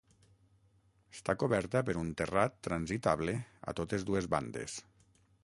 Està coberta per un terrat transitable a totes dues bandes.